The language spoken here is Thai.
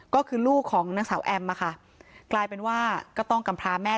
ก็คือลูกของนางสาวแอมอะค่ะกลายเป็นว่าก็ต้องกำพราแม่